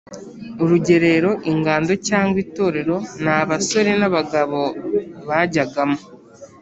Urugerero Ingando cyangwa itorero ni abasore n’abagabo bajyagamo